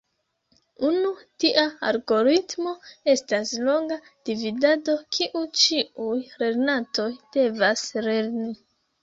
Unu tia algoritmo estas longa dividado, kiu ĉiuj lernantoj devas lerni.